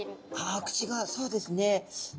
ああ口がそうですね。